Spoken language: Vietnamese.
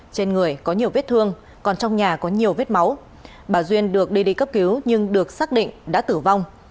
trên người có nhiều vết thương còn trong nhà có nhiều vết máu bà duyên được đi đi cấp cứu nhưng được xác định đã tử vong